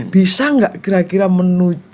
bisa nggak kira kira menuju